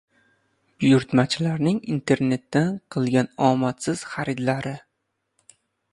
Foto: Buyurtmachilarning internetdan qilgan omadsiz xaridlari